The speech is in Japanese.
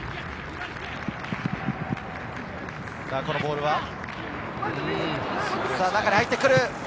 このボールは、中に入ってくる。